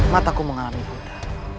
mataku mengalami buta